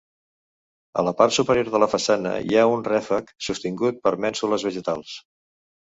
A la part superior de la façana hi ha un ràfec, sostingut per mènsules vegetals.